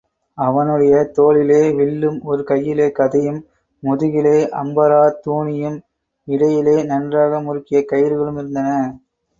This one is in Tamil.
அவனுடைய தோளிலே வில்லும், ஒரு கையிலே கதையும், முதுகிலே அம்பறாத்தூணியும், இடையிலே நன்றாக முறுக்கிய கயிறுக்ளும் இருந்தன.